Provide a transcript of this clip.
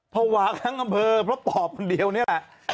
ภาวะทั้งอำเภอเพราะปอบคนเดียวนี่แหละ